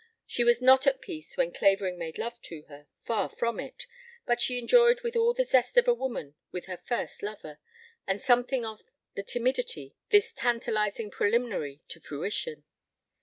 She was not at peace when Clavering made love to her, far from it; but she enjoyed with all the zest of a woman with her first lover, and something of the timidity, this tantalizing preliminary to fruition.